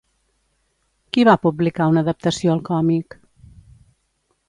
Qui va publicar una adaptació al còmic?